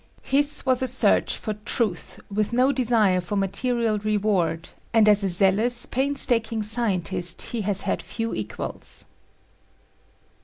His was a search for truth with no desire for material reward and as a zealous, painstaking scientist he has had few equals.